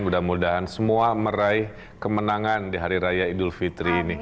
mudah mudahan semua meraih kemenangan di hari raya idul fitri ini